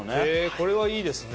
これはいいですね。